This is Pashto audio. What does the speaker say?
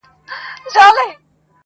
ویل چي آصل یم تر نورو موږکانو,